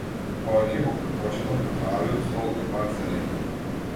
Повеќе го претпочитам кафеавиот стол над зелениот.